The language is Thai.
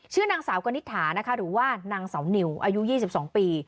ชื่อนางสาวกนิษฐานะคะหรือว่านางสาวนิวอายุ๒๒ปี